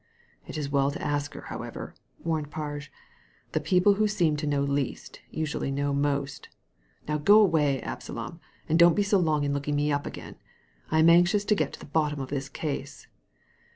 " It's as well to ask her, however," warned Parge. ''The people who seem to know least usually know most Now go away, Absalom, and don't be so long in looking me up again. I'm anxious to get to the bottom of this case."